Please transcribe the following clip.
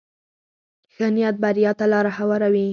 ښه نیت بریا ته لاره هواروي.